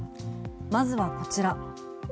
まずはこちら。